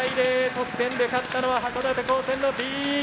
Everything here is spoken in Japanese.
得点で勝ったのは函館高専のＢ。